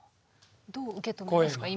どう受け止めますか？